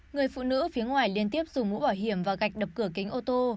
người phụ nữ phía ngoài liên tiếp dùng mũ bảo hiểm và gạch đập cửa kính ô tô